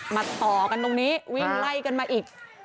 ต่อกันตรงนี้วิ่งไล่กันมาอีก